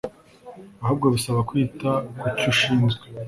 ahubwo bisaba kwita ku cyo ushinzwe